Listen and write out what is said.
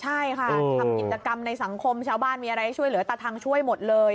ใช่ค่ะทำกิจกรรมในสังคมชาวบ้านมีอะไรให้ช่วยเหลือตาทางช่วยหมดเลย